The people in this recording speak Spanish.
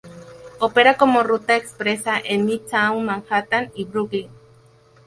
Opera como ruta expresa en Midtown Manhattan y Brooklyn.